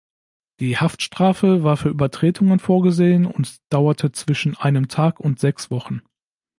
Die "Haftstrafe" war für Übertretungen vorgesehen und dauerte zwischen einem Tag und sechs Wochen.